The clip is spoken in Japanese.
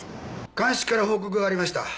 鑑識から報告がありました。